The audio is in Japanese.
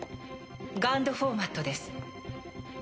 ＧＵＮＤフォーマットです。